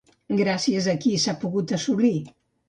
Gràcies a qui s'ha pogut assolir?